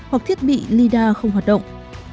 hoặc thiết bị lidar không hoạt động